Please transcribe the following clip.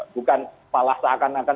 bukan malah seakan akan